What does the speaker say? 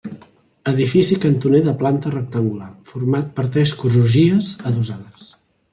Edifici cantoner de planta rectangular, format per tres crugies adossades.